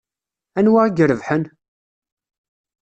Anwa i irebḥen?